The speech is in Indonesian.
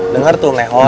dengar tuh nek hoi